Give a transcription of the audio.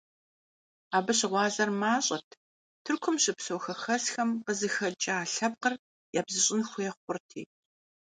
Абы щыгъуазэр мащӀэт, Тыркум щыпсэу хэхэсхэм къызыхэкӀа лъэпкъыр ябзыщӀын хуей хъурти.